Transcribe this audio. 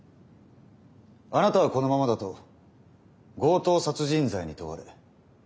あなたはこのままだと強盗殺人罪に問われ有罪になります。